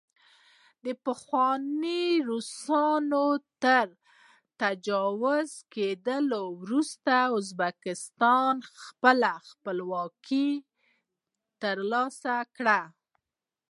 د پخوانۍ روسیې تر تجزیه کېدو وروسته ازبکستان خپلواکي ترلاسه کړه.